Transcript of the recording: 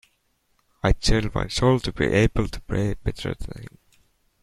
I’d sell my soul to be able to play better than him.